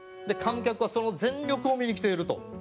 「観客はその全力を観に来ている！」と。